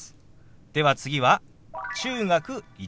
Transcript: では次は「中学１年」。